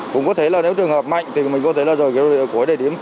cũng có thể là nếu trường hợp mạnh thì mình có thể là rời khỏi địa điểm